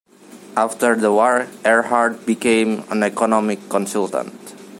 After the war Erhard became an economic consultant.